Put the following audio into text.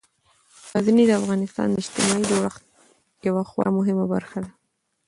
غزني د افغانستان د اجتماعي جوړښت یوه خورا مهمه برخه ده.